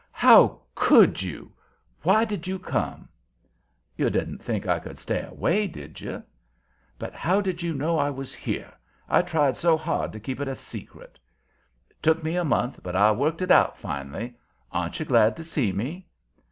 How COULD you? Why did you come?" "You didn't think I could stay away, did you?" "But how did you know I was here? I tried so hard to keep it a secret." "It took me a month, but I worked it out finally. Aren't you glad to see me?"